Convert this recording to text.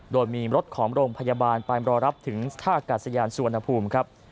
โดยมีรถของโรงพยาบาลไปรอรับถึงท่ากาศยานสุวรรณภูมิครับ